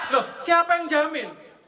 loh siapa yang jamin